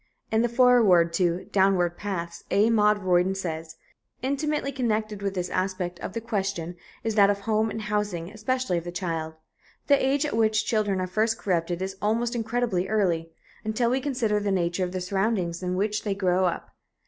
In the foreword to "Downward Paths," A. Maude Royden says: "Intimately connected with this aspect of the question is that of home and housing, especially of the child. The age at which children are first corrupted is almost incredibly early, until we consider the nature of the surroundings in which they grow up.